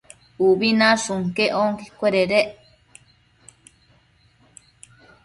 Ubi nashun quec onquecuededec